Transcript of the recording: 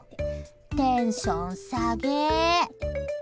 テンション下げ。